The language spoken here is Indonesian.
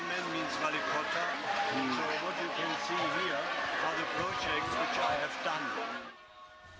jadi apa yang anda lihat di sini adalah proyek yang saya lakukan